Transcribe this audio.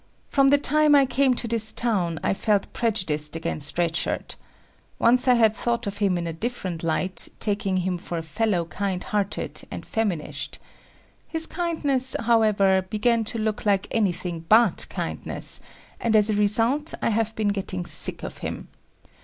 From the time I came to this town I felt prejudiced against Red Shirt. Once I had thought of him in a different light, taking him for a fellow kind hearted and feminished. His kindness, however, began to look like anything but kindness, and as a result, I have been getting sick of him.